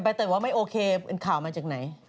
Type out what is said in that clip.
เตยว่าไม่โอเคเป็นข่าวมาจากไหน